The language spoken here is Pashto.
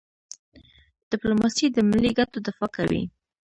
ډيپلوماسي د ملي ګټو دفاع کوي.